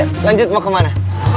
nanti gue pikirin lagi ya kita mau kemana